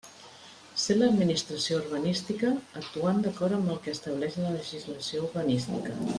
Ser l'Administració urbanística actuant d'acord amb el que estableix la legislació urbanística.